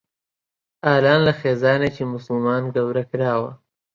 ئالان لە خێزانێکی موسڵمان گەورە کراوە.